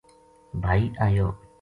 بھائی آیو